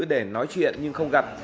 để nói chuyện nhưng không gặp